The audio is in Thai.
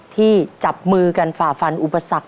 ที่จับมือกันฝ่าฟันอุปสรรค